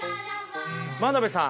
真鍋さん